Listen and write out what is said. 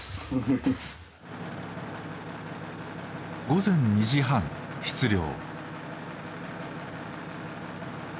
午前２時半出漁。